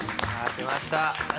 来ました！